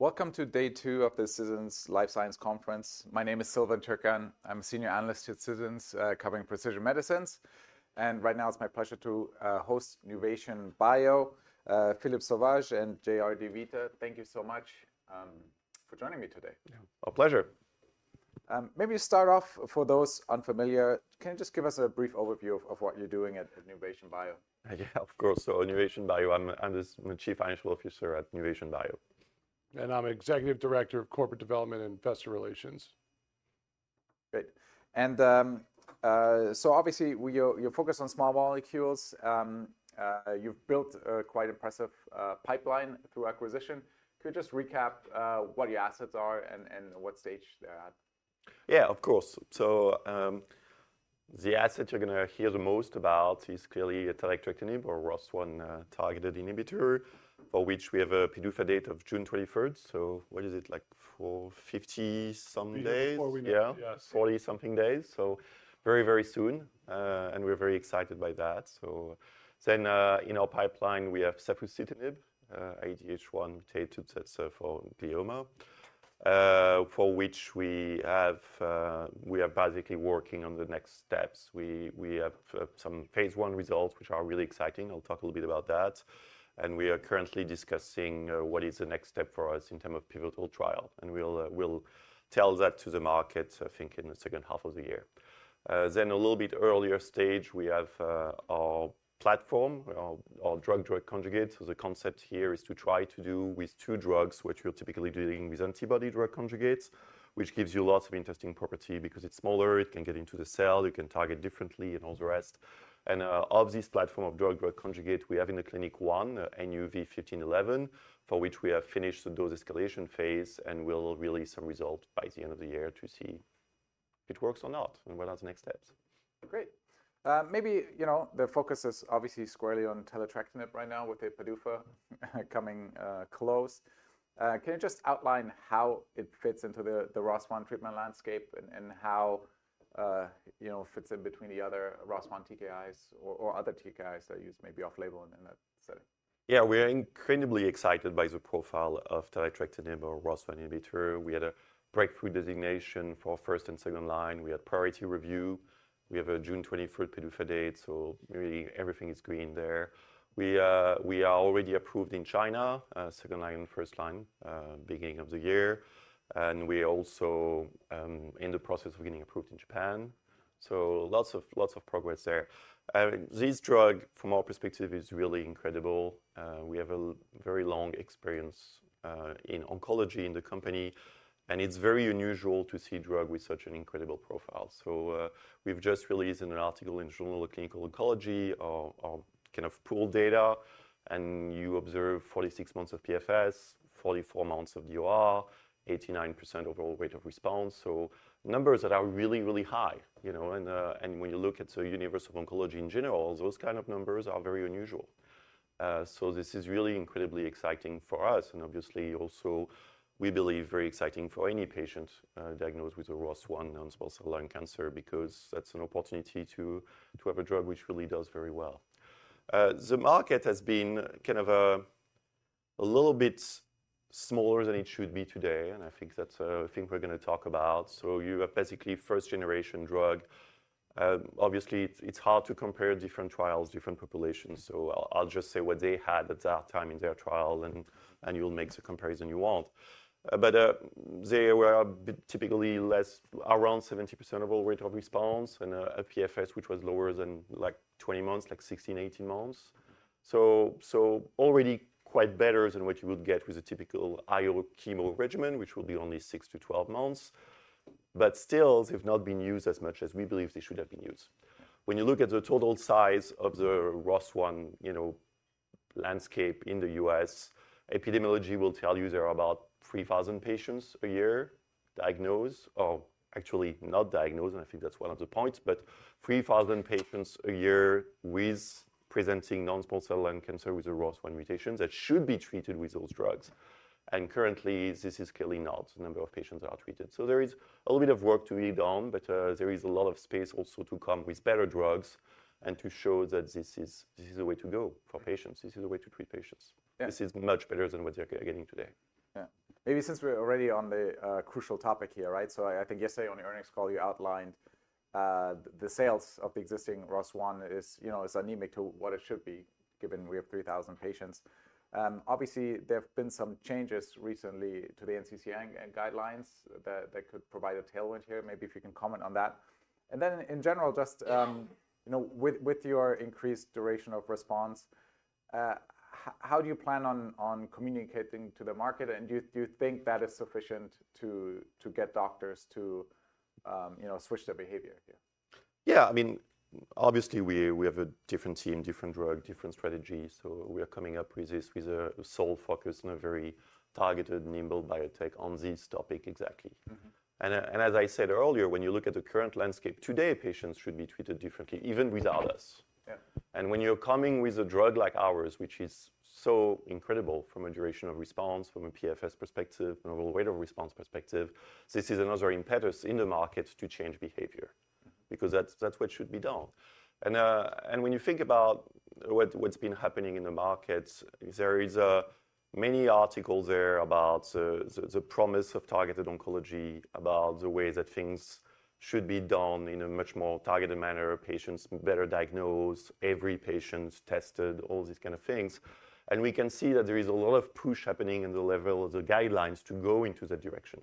Welcome to day two of the Citizens Life Science Conference. My name is Silvan Türkcan. I'm a Senior Analyst at Citizens covering precision medicines. Right now, it's my pleasure to host Nuvation Bio, Philippe Sauvage, and J.R. DeVita. Thank you so much for joining me today. Yeah, a pleasure. Maybe you start off, for those unfamiliar, can you just give us a brief overview of what you're doing at Nuvation Bio? Yeah, of course. At Nuvation Bio, I'm the Chief Financial Officer at Nuvation Bio. I'm Executive Director of Corporate Development and Investor Relations. Great. Obviously, you're focused on small molecules. You've built a quite impressive pipeline through acquisition. Could you just recap what your assets are and what stage they're at? Yeah, of course. So the asset you're going to hear the most about is clearly taletrectinib, our ROS1 targeted inhibitor, for which we have a PDUFA date of June 23rd. So what is it, like 450 some days? Maybe 40 something days. Yeah, 40 something days. Very, very soon. We're very excited by that. In our pipeline, we have safusidenib, IDH1-mutated glioma, for which we are basically working on the next steps. We have some Phase 1 results, which are really exciting. I'll talk a little bit about that. We are currently discussing what is the next step for us in terms of pivotal trial. We'll tell that to the market, I think, in the second half of the year. A little bit earlier stage, we have our platform, our drug-drug conjugate. The concept here is to try to do with two drugs what we're typically dealing with antibody-drug conjugates, which gives you lots of interesting properties. Because it's smaller, it can get into the cell, it can target differently, and all the rest. Of this platform of drug-drug conjugate, we have in the clinic one, NUV-1511, for which we have finished the dose escalation phase. We will release some results by the end of the year to see if it works or not and what are the next steps. Great. Maybe the focus is obviously squarely on taletrectinib right now with the PDUFA coming close. Can you just outline how it fits into the ROS1 treatment landscape and how it fits in between the other ROS1 TKIs or other TKIs that are used maybe off-label in that setting? Yeah, we are incredibly excited by the profile of taletrectinib, our ROS1 inhibitor. We had a Breakthrough Therapy Designation for first and second line. We had Priority Review. We have a June 23rd, 2025 PDUFA date. Really, everything is green there. We are already approved in China, second line and first line beginning of the year. We are also in the process of getting approved in Japan. Lots of progress there. This drug, from our perspective, is really incredible. We have a very long experience in oncology in the company. It is very unusual to see a drug with such an incredible profile. We have just released an article in the Journal of Clinical Oncology, our kind of pooled data. You observe 46 months of PFS, 44 months of DOR, 89% overall rate of response. Numbers that are really, really high. When you look at the universe of oncology in general, those kind of numbers are very unusual. This is really incredibly exciting for us. Obviously, also, we believe very exciting for any patient diagnosed with a ROS1 non-small cell lung cancer because that's an opportunity to have a drug which really does very well. The market has been kind of a little bit smaller than it should be today. I think that's a thing we're going to talk about. You have basically first-generation drug. Obviously, it's hard to compare different trials, different populations. I'll just say what they had at that time in their trial. You'll make the comparison you want. They were typically less, around 70% overall rate of response. A PFS, which was lower than like 20 months, like 16-18 months. Already quite better than what you would get with a typical IO chemo regimen, which would be only 6-12 months. Still, they've not been used as much as we believe they should have been used. When you look at the total size of the ROS1 landscape in the U.S., epidemiology will tell you there are about 3,000 patients a year diagnosed or actually not diagnosed. I think that's one of the points. Three thousand patients a year with presenting non-small cell lung cancer with a ROS1 mutation that should be treated with those drugs. Currently, this is clearly not the number of patients that are treated. There is a little bit of work to be done. There is a lot of space also to come with better drugs and to show that this is the way to go for patients. This is the way to treat patients. This is much better than what they're getting today. Yeah. Maybe since we're already on the crucial topic here, right? I think yesterday on the earnings call, you outlined the sales of the existing ROS1 is anemic to what it should be, given we have 3,000 patients. Obviously, there have been some changes recently to the NCCN Guidelines that could provide a tailwind here. Maybe if you can comment on that. In general, just with your increased duration of response, how do you plan on communicating to the market? Do you think that is sufficient to get doctors to switch their behavior here? Yeah. I mean, obviously, we have a different team, different drug, different strategy. We are coming up with this with a sole focus and a very targeted, nimble biotech on this topic exactly. As I said earlier, when you look at the current landscape, today, patients should be treated differently, even without us. When you are coming with a drug like ours, which is so incredible from a duration of response, from a PFS perspective, and overall rate of response perspective, this is another impetus in the market to change behavior. That is what should be done. When you think about what has been happening in the market, there are many articles there about the promise of targeted oncology, about the way that things should be done in a much more targeted manner, patients better diagnosed, every patient tested, all these kind of things. We can see that there is a lot of push happening in the level of the guidelines to go into that direction.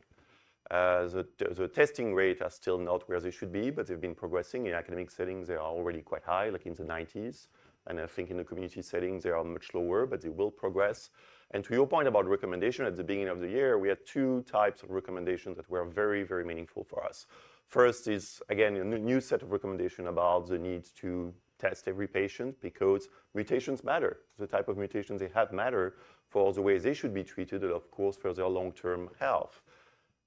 The testing rate is still not where they should be. They have been progressing. In academic settings, they are already quite high, like in the 90s. I think in the community settings, they are much lower. They will progress. To your point about recommendation at the beginning of the year, we had two types of recommendations that were very, very meaningful for us. First is, again, a new set of recommendations about the need to test every patient because mutations matter. The type of mutations they have matter for the way they should be treated and, of course, for their long-term health.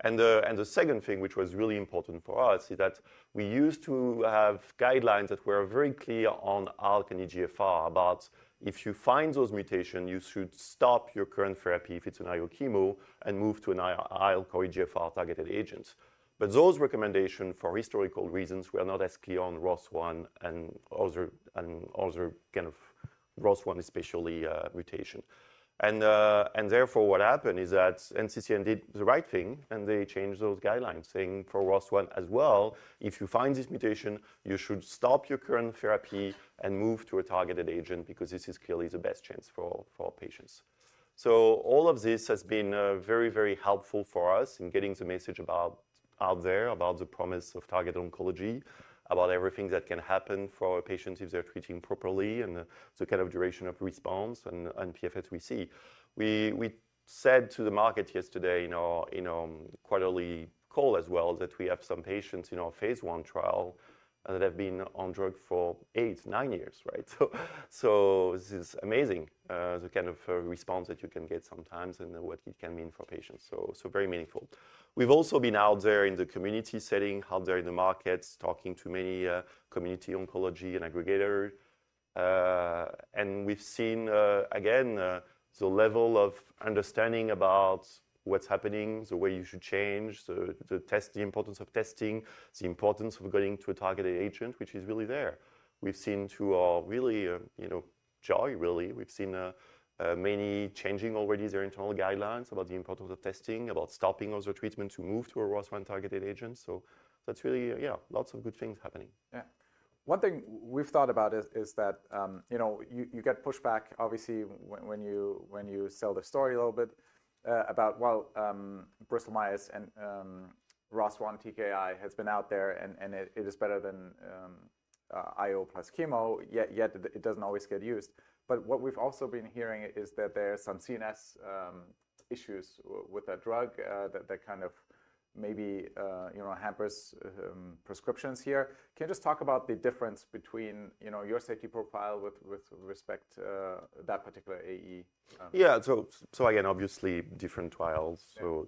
The second thing, which was really important for us, is that we used to have guidelines that were very clear on ALK and EGFR about if you find those mutations, you should stop your current therapy if it's an IO chemo and move to an ALK or EGFR targeted agent. Those recommendations, for historical reasons, were not as clear on ROS1 and other kind of ROS1, especially mutation. Therefore, what happened is that NCCN did the right thing. They changed those guidelines, saying for ROS1 as well, if you find this mutation, you should stop your current therapy and move to a targeted agent because this is clearly the best chance for our patients. All of this has been very, very helpful for us in getting the message out there about the promise of targeted oncology, about everything that can happen for our patients if they're treating properly, and the kind of duration of response and PFS we see. We said to the market yesterday in our quarterly call as well that we have some patients in our Phase 1 trial that have been on drug for eight, nine years, right? This is amazing, the kind of response that you can get sometimes and what it can mean for patients. Very meaningful. We've also been out there in the community setting, out there in the markets, talking to many community oncology and aggregators. We have seen, again, the level of understanding about what is happening, the way you should change, the importance of testing, the importance of going to a targeted agent, which is really there. We have seen, to our real joy, really, we have seen many changing already their internal guidelines about the importance of testing, about stopping also treatment to move to a ROS1 targeted agent. That is really, yeah, lots of good things happening. Yeah. One thing we've thought about is that you get pushback, obviously, when you sell the story a little bit about, well, Bristol Myers and ROS1 TKI has been out there. It is better than IO plus chemo. Yet it does not always get used. What we've also been hearing is that there are some CNS issues with that drug that kind of maybe hampers prescriptions here. Can you just talk about the difference between your safety profile with respect to that particular AE? Yeah. So again, obviously, different trials. So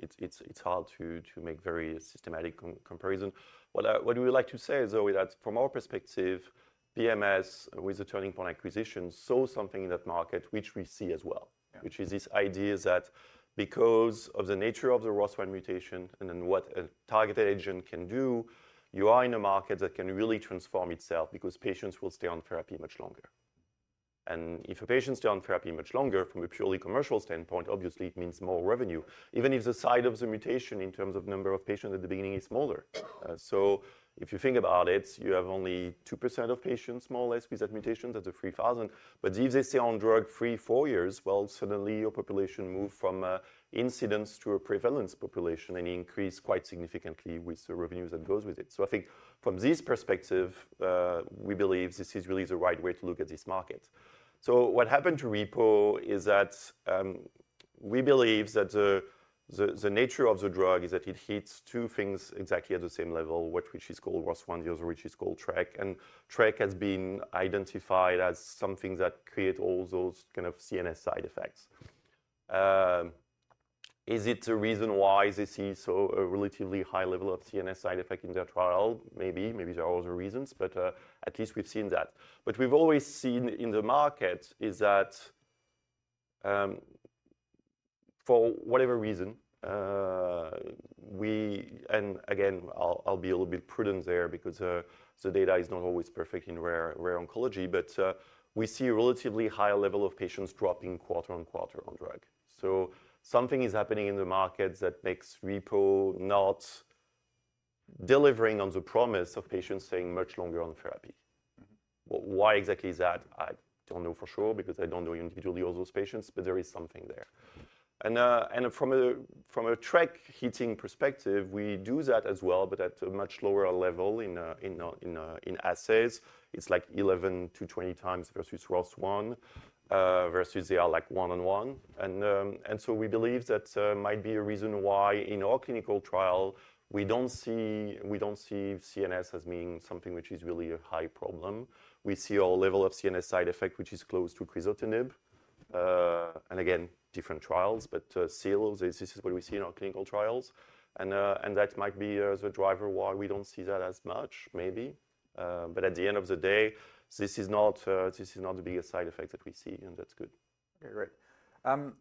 it's hard to make very systematic comparison. What we like to say, though, is that from our perspective, BMS, with the Turning Point acquisition, saw something in that market, which we see as well, which is this idea that because of the nature of the ROS1 mutation and then what a targeted agent can do, you are in a market that can really transform itself because patients will stay on therapy much longer. And if a patient stays on therapy much longer, from a purely commercial standpoint, obviously, it means more revenue, even if the size of the mutation in terms of number of patients at the beginning is smaller. If you think about it, you have only 2% of patients more or less with that mutation. That's a 3,000. If they stay on drug for four years, suddenly, your population moved from incidence to a prevalence population. It increased quite significantly with the revenues that goes with it. I think from this perspective, we believe this is really the right way to look at this market. What happened to repo is that we believe that the nature of the drug is that it hits two things exactly at the same level, which is called ROS1, the other which is called Trk. Trk has been identified as something that creates all those kind of CNS side effects. Is it a reason why they see such a relatively high level of CNS side effect in their trial? Maybe. Maybe there are other reasons. At least we've seen that. What we've always seen in the market is that for whatever reason, we, and again, I'll be a little bit prudent there because the data is not always perfect in rare oncology. We see a relatively high level of patients dropping quarter on quarter on drug. Something is happening in the markets that makes repo not delivering on the promise of patients staying much longer on therapy. Why exactly is that? I don't know for sure because I don't know individually all those patients. There is something there. From a Trk hitting perspective, we do that as well, but at a much lower level in assays. It's like 11x-20x versus ROS1 versus they are like one on one. We believe that might be a reason why in our clinical trial, we do not see CNS as being something which is really a high problem. We see our level of CNS side effect, which is close to crizotinib. Again, different trials. Still, this is what we see in our clinical trials. That might be the driver why we do not see that as much, maybe. At the end of the day, this is not the biggest side effect that we see. That is good. OK, great.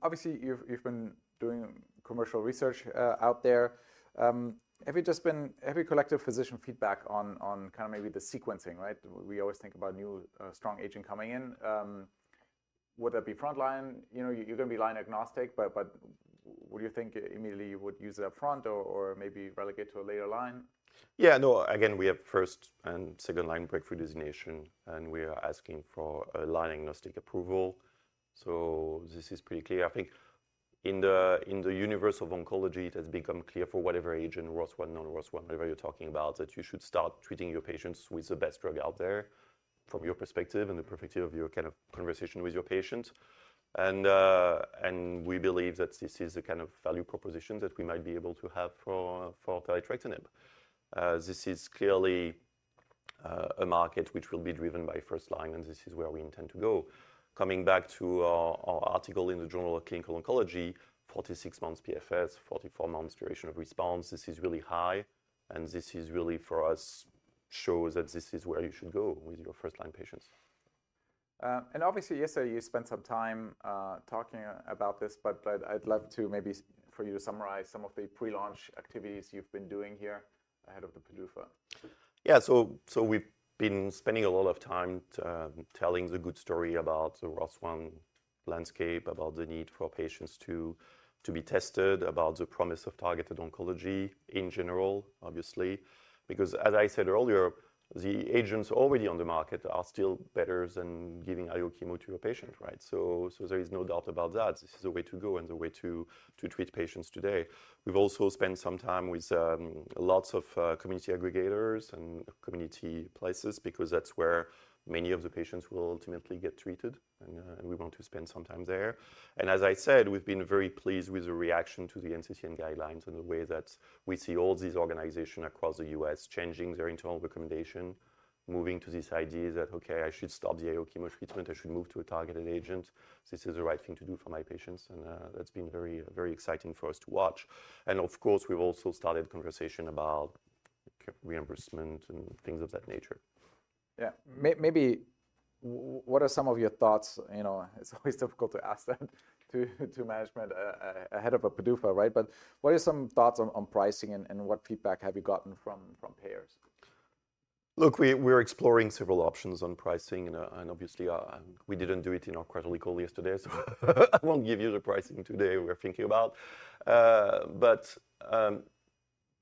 Obviously, you've been doing commercial research out there. Have you collected physician feedback on kind of maybe the sequencing, right? We always think about new strong agent coming in. Would that be front line? You're going to be line agnostic. Would you think immediately you would use it up front or maybe relegate to a later line? Yeah. No, again, we have first and second line breakthrough designation. We are asking for a line agnostic approval. This is pretty clear. I think in the universe of oncology, it has become clear for whatever agent, ROS1, non-ROS1, whatever you are talking about, that you should start treating your patients with the best drug out there from your perspective and the perspective of your kind of conversation with your patients. We believe that this is the kind of value proposition that we might be able to have for taletrectinib. This is clearly a market which will be driven by first line. This is where we intend to go. Coming back to our article in the Journal of Clinical Oncology, 46 months PFS, 44 months duration of response, this is really high. This really for us shows that this is where you should go with your first line patients. Obviously, yesterday, you spent some time talking about this. I'd love to maybe for you to summarize some of the pre-launch activities you've been doing here ahead of the PDUFA. Yeah. So we've been spending a lot of time telling the good story about the ROS1 landscape, about the need for patients to be tested, about the promise of targeted oncology in general, obviously. Because as I said earlier, the agents already on the market are still better than giving IO chemo to a patient, right? There is no doubt about that. This is the way to go and the way to treat patients today. We've also spent some time with lots of community aggregators and community places because that's where many of the patients will ultimately get treated. We want to spend some time there. As I said, we've been very pleased with the reaction to the NCCN guidelines and the way that we see all these organizations across the U.S. changing their internal recommendation, moving to this idea that, OK, I should stop the IO chemo treatment. I should move to a targeted agent. This is the right thing to do for my patients. That's been very, very exciting for us to watch. Of course, we've also started a conversation about reimbursement and things of that nature. Yeah. Maybe what are some of your thoughts? It's always difficult to ask that to management ahead of a PDUFA, right? But what are some thoughts on pricing? And what feedback have you gotten from payers? Look, we're exploring several options on pricing. Obviously, we did not do it in our quarterly call yesterday. I will not give you the pricing today we are thinking about.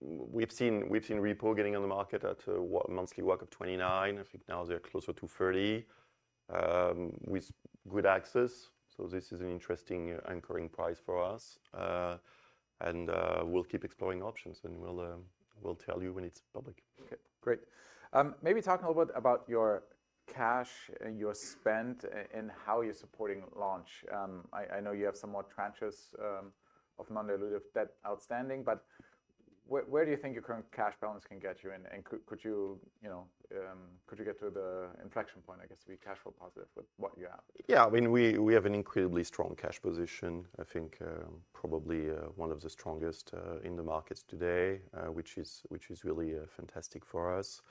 We have seen repo getting on the market at a monthly worth of $29,000. I think now they are closer to $30,000 with good access. This is an interesting anchoring price for us. We will keep exploring options and we will tell you when it is public. OK, great. Maybe talk a little bit about your cash and your spend and how you're supporting launch. I know you have somewhat tranches of non-dilutive debt outstanding. Where do you think your current cash balance can get you? Could you get to the inflection point, I guess, to be cash flow positive with what you have? Yeah. I mean, we have an incredibly strong cash position. I think probably one of the strongest in the markets today, which is really fantastic for us.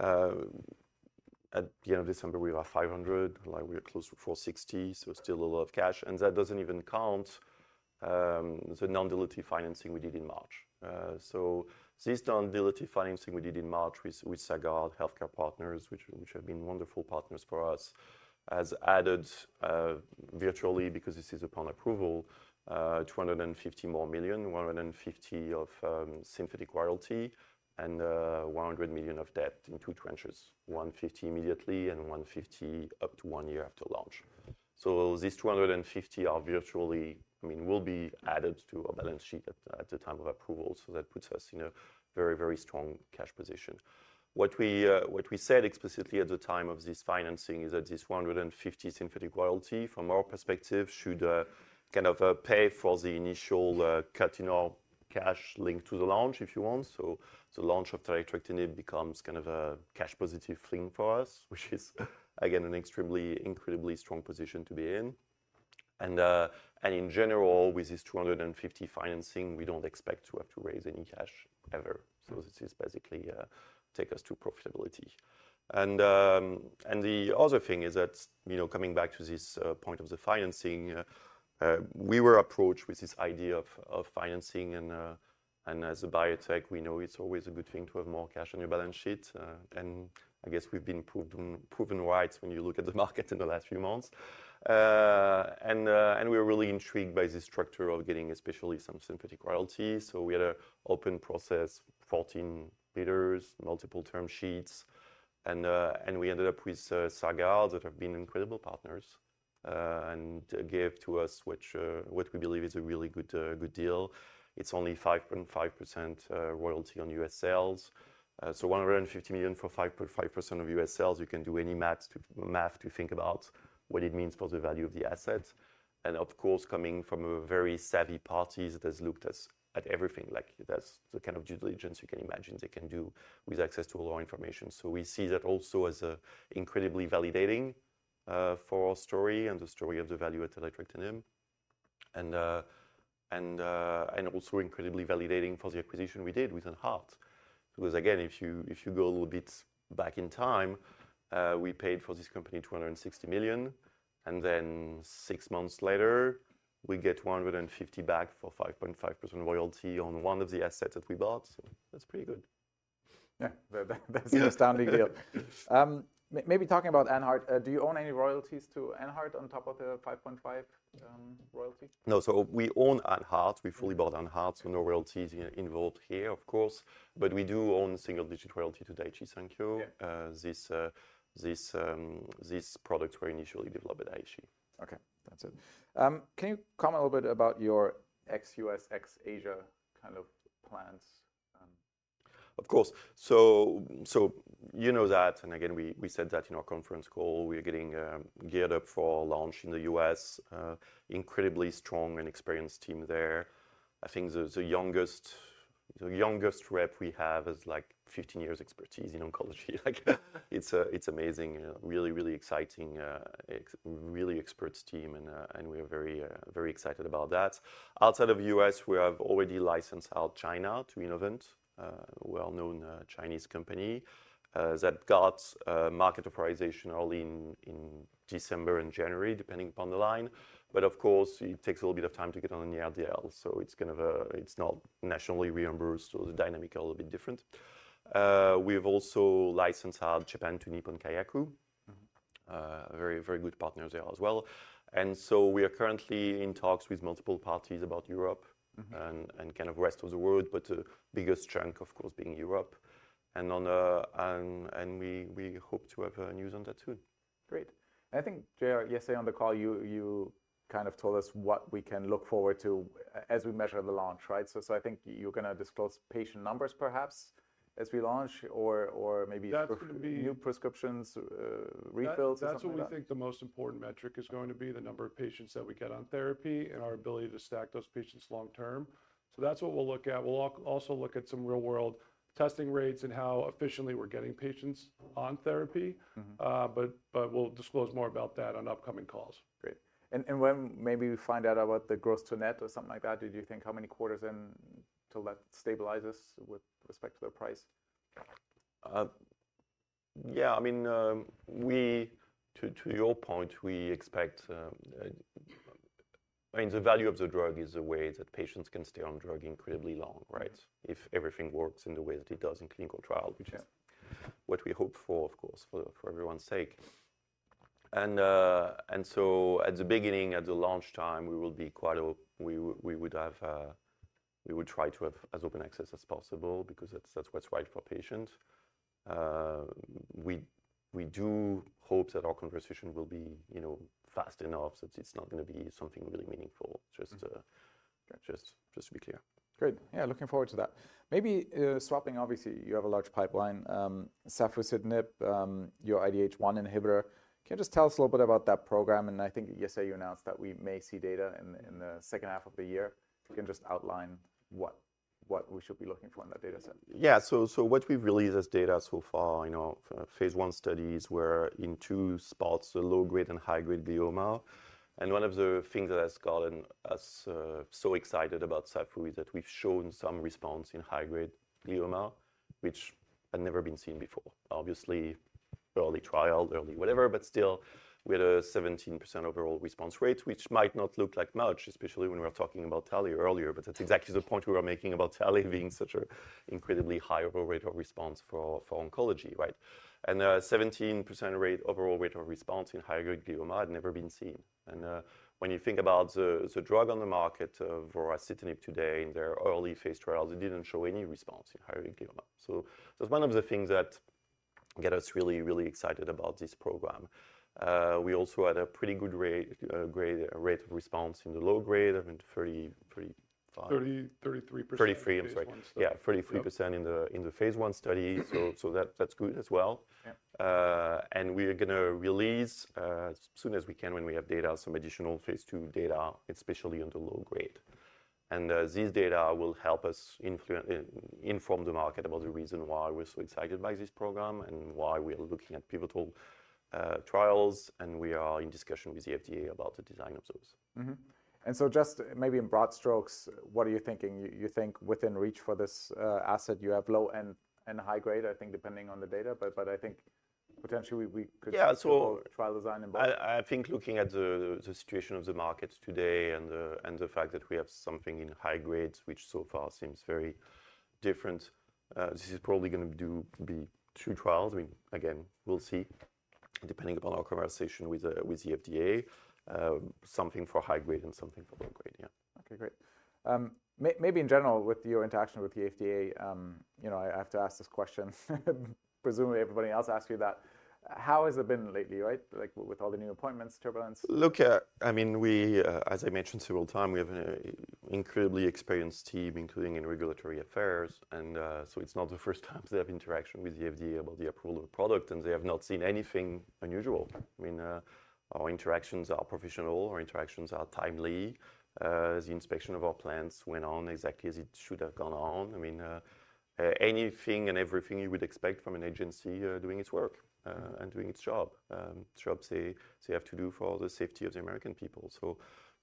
At the end of December, we were $500 million. We were close to $460 million. So still a lot of cash. That does not even count the non-dilutive financing we did in March. This non-dilutive financing we did in March with Sagard Healthcare Partners, which have been wonderful partners for us, has added virtually, because this is upon approval, $250 million more, $150 million of synthetic royalty, and $100 million of debt in two tranches, $150 million immediately and $150 million up to one year after launch. These $250 million are virtually, I mean, will be added to our balance sheet at the time of approval. That puts us in a very, very strong cash position. What we said explicitly at the time of this financing is that this $150 million synthetic royalty, from our perspective, should kind of pay for the initial cut in our cash linked to the launch, if you want. The launch of taletrectinib becomes kind of a cash positive thing for us, which is, again, an extremely, incredibly strong position to be in. In general, with this $250 million financing, we do not expect to have to raise any cash ever. This basically takes us to profitability. The other thing is that coming back to this point of the financing, we were approached with this idea of financing. As a biotech, we know it is always a good thing to have more cash on your balance sheet. I guess we have been proven right when you look at the market in the last few months. We were really intrigued by the structure of getting especially some synthetic royalty. We had an open process, 14 bidders, multiple term sheets. We ended up with Sagard, that have been incredible partners, and gave to us what we believe is a really good deal. It's only 5.5% royalty on U.S. sales. $150 million for 5.5% of U.S. sales. You can do any math to think about what it means for the value of the asset. Of course, coming from a very savvy party that has looked at everything, like that's the kind of due diligence you can imagine they can do with access to all our information. We see that also as incredibly validating for our story and the story of the value of taletrectinib. Also incredibly validating for the acquisition we did with AnHeart. Because again, if you go a little bit back in time, we paid for this company $260 million. And then six months later, we get $150 million back for a 5.5% royalty on one of the assets that we bought. So that's pretty good. Yeah. That's an astounding deal. Maybe talking about AnHeart, do you own any royalties to AnHeart on top of the 5.5% royalty? No. We own AnHeart. We fully bought AnHeart. No royalties involved here, of course. We do owe single-digit royalty to Daiichi Sankyo. This product was initially developed at Daiichi. OK. That's it. Can you comment a little bit about your ex-U.S., ex-Asia kind of plans? Of course. You know that. Again, we said that in our conference call. We are getting geared up for launch in the U.S. Incredibly strong and experienced team there. I think the youngest rep we have has like 15 years' expertise in oncology. It's amazing, really, really exciting, really expert team. We are very excited about that. Outside of the U.S., we have already licensed out China to Innovent, a well-known Chinese company that got market authorization early in December and January, depending upon the line. Of course, it takes a little bit of time to get on the RDL. It is not nationally reimbursed, so the dynamic is a little bit different. We have also licensed out Japan to Nippon Kayaku, a very good partner there as well. We are currently in talks with multiple parties about Europe and kind of the rest of the world, but the biggest chunk, of course, being Europe. We hope to have news on that soon. Great. I think yesterday on the call, you kind of told us what we can look forward to as we measure the launch, right? I think you're going to disclose patient numbers perhaps as we launch or maybe new. Prescriptions. Refills or something like that. That's what we think the most important metric is going to be, the number of patients that we get on therapy and our ability to stack those patients long term. That is what we will look at. We will also look at some real-world testing rates and how efficiently we are getting patients on therapy. We will disclose more about that on upcoming calls. Great. And when maybe we find out about the gross to net or something like that, do you think how many quarters until that stabilizes with respect to the price? Yeah. I mean, to your point, we expect, I mean, the value of the drug is a way that patients can stay on drug incredibly long, right, if everything works in the way that it does in clinical trial, which is what we hope for, of course, for everyone's sake. At the beginning, at the launch time, we would try to have as open access as possible because that's what's right for patients. We do hope that our conversation will be fast enough that it's not going to be something really meaningful, just to be clear. Great. Yeah, looking forward to that. Maybe swapping, obviously, you have a large pipeline, safusidenib, your IDH1 inhibitor. Can you just tell us a little bit about that program? I think yesterday you announced that we may see data in the second half of the year. Can you just outline what we should be looking for in that data set? Yeah. So what we've released as data so far, I know phase one studies were in two spots, the low-grade and high-grade glioma. And one of the things that has gotten us so excited about safu is that we've shown some response in high-grade glioma, which had never been seen before. Obviously, early trial, early whatever. Still, we had a 17% overall response rate, which might not look like much, especially when we were talking about Tally earlier. That's exactly the point we were making about Tally being such an incredibly high overall rate of response for oncology, right? A 17% overall rate of response in high-grade glioma had never been seen. When you think about the drug on the market, voracitinib today in their early phase trials, it didn't show any response in high-grade glioma. That's one of the things that get us really, really excited about this program. We also had a pretty good rate of response in the low grade. I mean, 35. 33%. 33%. Yeah, 33% in the Phase 1 study. That is good as well. We are going to release as soon as we can, when we have data, some additional Phase 2 data, especially on the low grade. These data will help us inform the market about the reason why we are so excited by this program and why we are looking at pivotal trials. We are in discussion with the FDA about the design of those. Just maybe in broad strokes, what are you thinking? You think within reach for this asset, you have low and high grade, I think, depending on the data. I think potentially we could. Yeah. I think looking at the situation of the market today and the fact that we have something in high grades, which so far seems very different, this is probably going to be two trials. I mean, again, we'll see, depending upon our conversation with the FDA, something for high grade and something for low grade. Yeah. OK, great. Maybe in general, with your interaction with the FDA, I have to ask this question. Presumably everybody else asks you that. How has it been lately, right, with all the new appointments, turbulence? Look, I mean, as I mentioned several times, we have an incredibly experienced team, including in regulatory affairs. It's not the first time they have interaction with the FDA about the approval of a product. They have not seen anything unusual. I mean, our interactions are professional. Our interactions are timely. The inspection of our plants went on exactly as it should have gone on. I mean, anything and everything you would expect from an agency doing its work and doing its job, the job they have to do for the safety of the American people.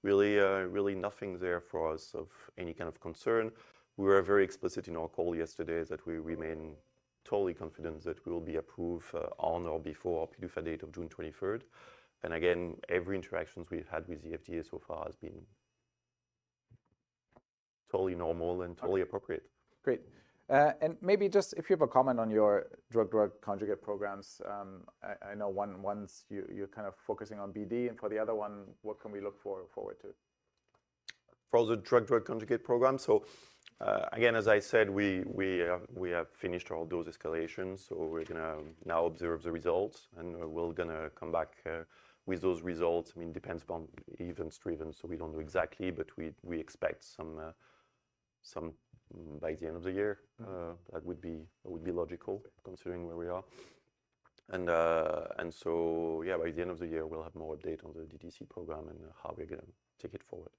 Really, really nothing there for us of any kind of concern. We were very explicit in our call yesterday that we remain totally confident that we will be approved on or before our PDUFA date of June 23rd. Every interaction we've had with the FDA so far has been totally normal and totally appropriate. Great. If you have a comment on your drug-drug conjugate programs, I know one you're kind of focusing on BD. For the other one, what can we look forward to? For the drug-drug conjugate program? Again, as I said, we have finished all those escalations. We are going to now observe the results. We are going to come back with those results. I mean, it depends upon events driven. We do not know exactly. We expect some by the end of the year. That would be logical, considering where we are. By the end of the year, we will have more update on the DDC program and how we are going to take it forward.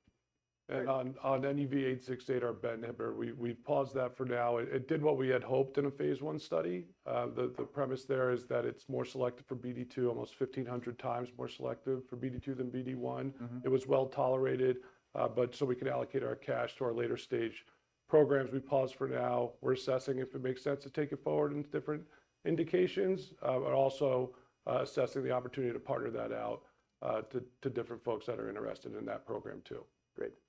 On NUV-868 or BET inhibitor, we paused that for now. It did what we had hoped in a phase one study. The premise there is that it's more selective for BD2, almost 1,500 times more selective for BD2 than BD1. It was well tolerated. We could allocate our cash to our later stage programs. We paused for now. We're assessing if it makes sense to take it forward in different indications, but also assessing the opportunity to partner that out to different folks that are interested in that program too. Great.